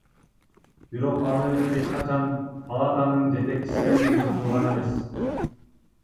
Бирок аны эч качан палатанын жетекчиси өзү кылган эмес.